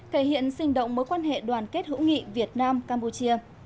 thể hiện sinh động mối quan hệ đoàn kết hữu nghị việt nam campuchia